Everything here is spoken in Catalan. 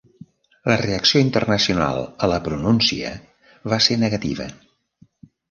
La reacció internacional a la pronúncia va ser negativa.